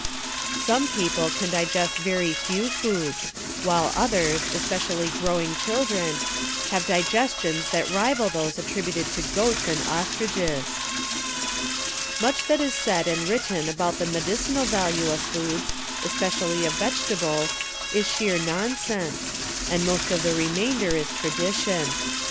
Some people can digest very few foods, while others, especially growing children, have digestions that rival those attributed to goats and ostriches. Much that is said and written about the medicinal value of foods, especially of vegetables, is sheer nonsense, and most of the remainder is tradition.